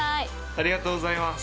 ありがとうございます！